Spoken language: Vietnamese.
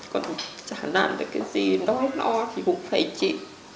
còn chả làm được cái gì đói lo thì cũng phải chịu